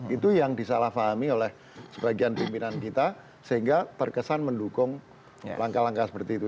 itu yang disalahpahami oleh sebagian pimpinan kita sehingga terkesan mendukung langkah langkah seperti itu